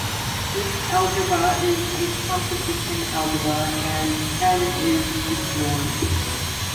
This algebra is a composition algebra and "N" is its norm.